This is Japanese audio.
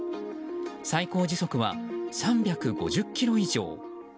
最高時速は３５０キロ以上。